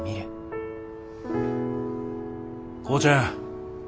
浩ちゃん。